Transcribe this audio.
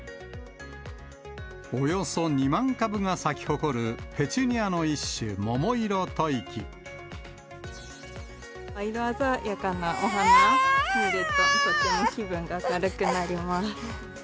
およそ２万株が咲き誇るペチ色鮮やかなお花が見られて、とても気分が明るくなります。